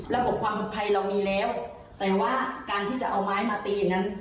ระบบความปลอดภัยเรามีแล้วแต่ว่าการที่จะเอาไม้มาตีอย่างนั้น